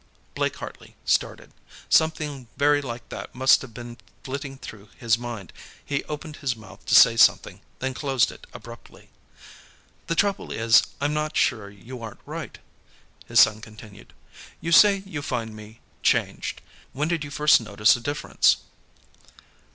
Blake Hartley started. Something very like that must have been flitting through his mind. He opened his mouth to say something, then closed it abruptly. "The trouble is, I'm not sure you aren't right," his son continued. "You say you find me changed. When did you first notice a difference?"